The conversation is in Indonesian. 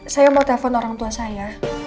saya mau telepon orang tua saya